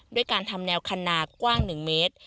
ด้วยการทำแนวคันนาคว่างหนึ่งเมตร